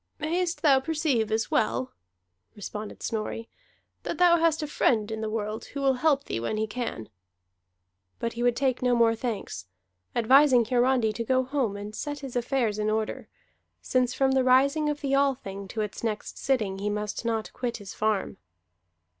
"Mayest thou perceive as well," responded Snorri, "that thou hast a friend in the world who will help thee when he can." But he would take no more thanks, advising Hiarandi to go home and set his affairs in order, since from the rising of the Althing to its next sitting he must not quit his farm.